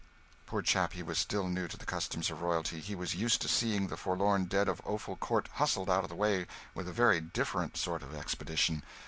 Poor chap, he was still new to the customs of royalty; he was used to seeing the forlorn dead of Offal Court hustled out of the way with a very different sort of expedition.